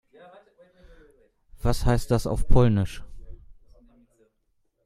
Was heißt das auf Polnisch?